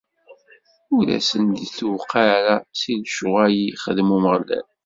Ur asen-d-tewqiɛ si lecɣwal i yexdem Umeɣlal.